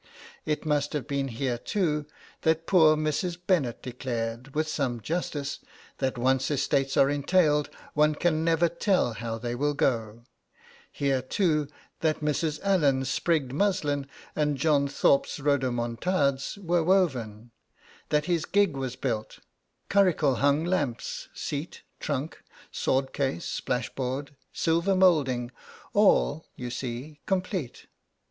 It must have been here, too, that poor Mrs. Bennet declared, with some justice, that once estates are entailed, one can never tell how they will go; here, too, that Mrs. Allen's sprigged muslin and John Thorpe's rodomontades were woven; that his gig was built, 'curricle hung lamps, seat, trunk, sword case, splashboard, silver moulding, all, you see, complete.